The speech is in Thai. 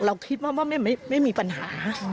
เราคิดว่าไม่มีปัญหา